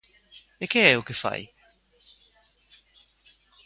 E que é o que fai?